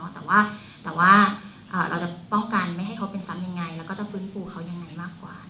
แต่ว่าเราจะป้องกันไม่ให้เขาเป็นปั๊มยังไงแล้วก็จะฟื้นฟูเขายังไงมากกว่า